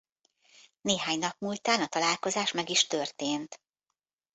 Néhány nap múltán a találkozás meg is történt.